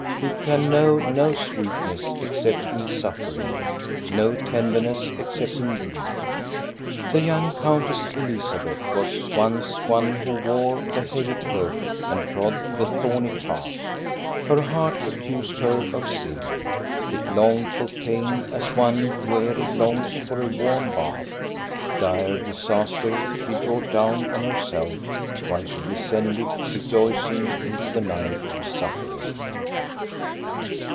He can know no sweetness except in suffering, no tenderness except in grief. The young Countess Elizabeth was once one who wore the heavy cloak and trod the thorny paths. Her heart accused her of sin. It longed for pain as one wearied longs for a warm bath. Dire disaster she brought down on herself while she descended rejoicing into the night of suffering.